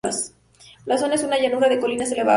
La zona es una llanura de colinas elevadas.